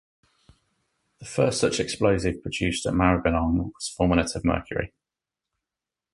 The first such explosive produced at Maribyrnong was fulminate of mercury.